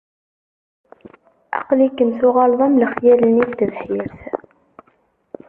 Aql-ikem tuɣaleḍ am lexyal-nni n tebḥirt.